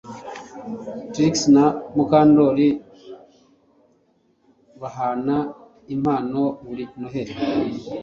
Trix na Mukandoli bahana impano buri Noheri